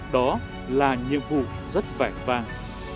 đó là nhiệm vụ rất vẻ vang